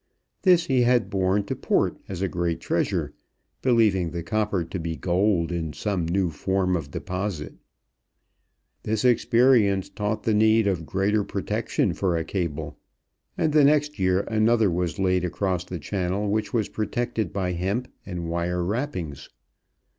This he had borne to port as a great treasure, believing the copper to be gold in some new form of deposit. This experience taught the need of greater protection for a cable, and the next year another was laid across the Channel, which was protected by hemp and wire wrappings.